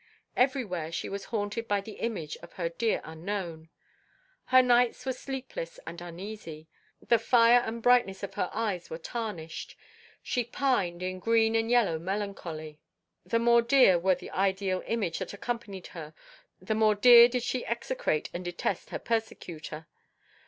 Every where she was haunted by the image of her dear unknown. Her nights were sleepless and uneasy. The fire and brightness of her eyes were tarnished. She pined in green and yellow melancholy. The more dear were the ideal image that accompanied her, the more did she execrate and detest her persecutor.